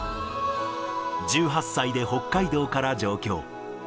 １８歳で北海道から上京。